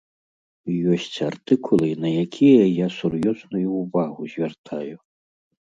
Ёсць артыкулы, на якія я сур'ёзную ўвагу звяртаю.